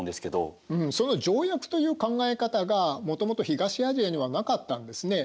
うんその条約という考え方がもともと東アジアにはなかったんですね。